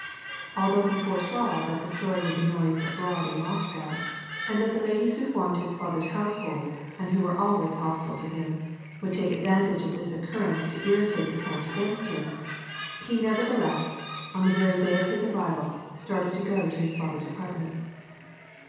Although he fore saw that the story would be noised abroad in Moscow, and that the ladies who formed his father's household and who were always hostile to him, would take advantage of this occurrence to irritate the count against him, he nevertheless, on the very day of his arrival started to go to his father's apartments.